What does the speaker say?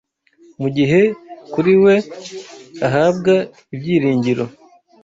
mugihe kuri we ahabwa Ibyiringiro,